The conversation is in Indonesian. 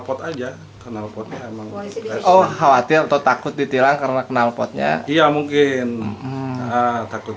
pot aja kenal potnya emang oh khawatir atau takut ditilang karena kenal potnya iya mungkin takut